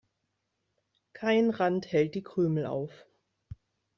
Kein Rand hält die Krümel auf.